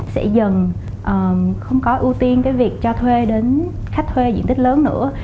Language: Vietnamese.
sẽ dần không có ưu tiên cái việc cho thuê đến khách thuê diện tích lớn nữa